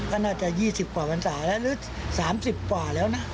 ก็น่าจะ๒๐กว่าพรรษาแล้วหรือ๓๐กว่าแล้วนะ